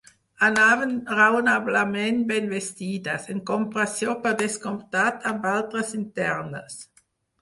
Anaven raonablement ben vestides; en comparació, per descomptat, amb altres internes.